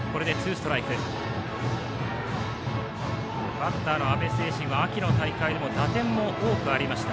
バッターの安部政信は秋の大会でも打点も多くありました。